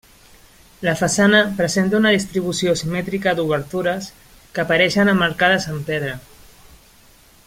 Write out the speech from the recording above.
La façana presenta una distribució simètrica d'obertures, que apareixen emmarcades en pedra.